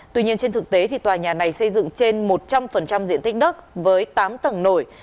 tuy nhiên trên thực tế tòa nhà này xây dựng trên một trăm linh diện tích đất với tám tầng nổi